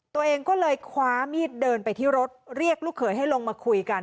ตัวเองก็เลยคว้ามีดเดินไปที่รถเรียกลูกเขยให้ลงมาคุยกัน